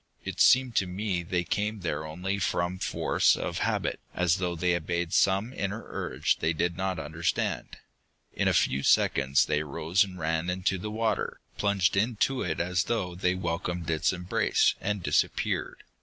It seemed to me they came there only from force of habit, as though they obeyed some inner urge they did not understand. In a few seconds they rose and ran into the water, plunged into it as though they welcomed its embrace, and disappeared.